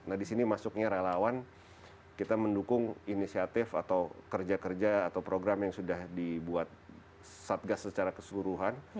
nah di sini masuknya relawan kita mendukung inisiatif atau kerja kerja atau program yang sudah dibuat satgas secara keseluruhan